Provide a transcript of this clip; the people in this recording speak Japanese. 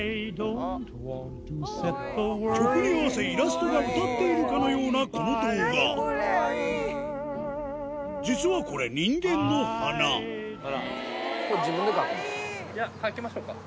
曲に合わせイラストが歌っているかのようなこの動画実はこれ人間の鼻いや描きましょうか？